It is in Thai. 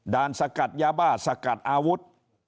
สกัดยาบ้าสกัดอาวุธ